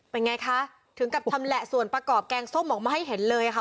เป็นไงคะถึงกับชำแหละส่วนประกอบแกงส้มออกมาให้เห็นเลยค่ะ